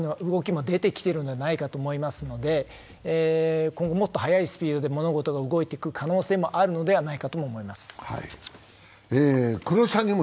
反撃の動きも出てきているのではないかと思いますので、今後もっと早いスピードで物事が動いていく可能性もあるのではないかと思います。